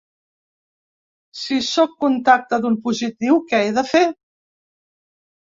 Si sóc contacte d’un positiu, què he de fer?